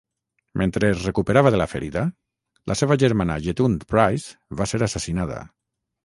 Mentre es recuperava de la ferida, la seva germana Yetunde Price va ser assassinada.